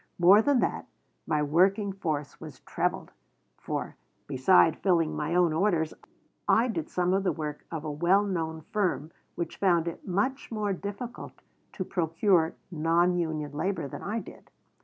More than that, my working force was trebled, for, besides filling my own orders, I did some of the work of a well known firm which found it much more difficult to procure non union labor than I did.